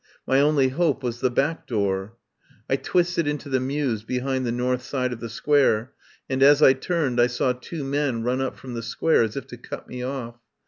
My only hope was the back door. I twisted into the mews behind the north side of the Square, and as I turned I saw two men run up from the Square as if to cut me off.